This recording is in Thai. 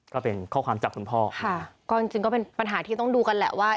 ก็เป็นข้อความจากคุณพ่อค่ะก็จริงจริงก็เป็นปัญหาที่ต้องดูกันแหละว่า